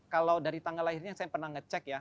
kalau dari tanggal lahirnya saya pernah ngecek ya